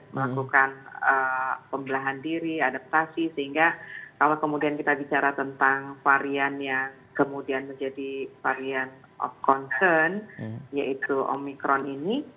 melakukan pembelahan diri adaptasi sehingga kalau kemudian kita bicara tentang varian yang kemudian menjadi varian of concern yaitu omikron ini